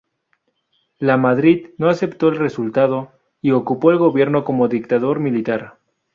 Lamadrid no aceptó el resultado, y ocupó el gobierno como dictador militar.